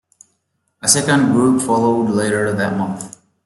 A second group followed later that month.